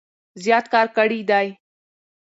زيات کار کړي دی